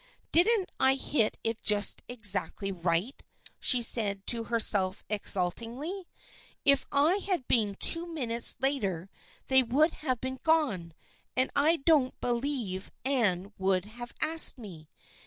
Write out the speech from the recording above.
" Didn't I hit it just exactly right !" she said to herself exultingly. " If I had been two minutes later they would have been gone, and I don't be lieve Anne would have asked me.